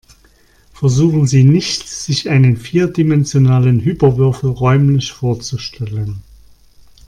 Versuchen Sie nicht, sich einen vierdimensionalen Hyperwürfel räumlich vorzustellen.